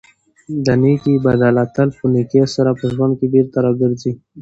د نېکۍ بدله تل په نېکۍ سره په ژوند کې بېرته راګرځي.